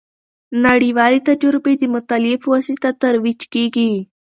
نړیوالې تجربې د مطالعې په واسطه ترویج کیږي.